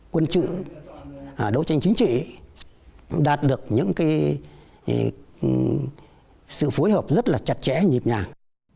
quân trự đấu tranh chính trị đạt được những sự phối hợp rất là chặt chẽ nhịp nhàng